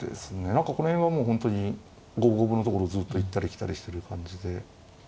何かこの辺はもう本当に五分五分のところをずっと行ったり来たりしてる感じで。